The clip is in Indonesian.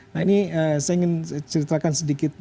nah ini saya ingin ceritakan sedikit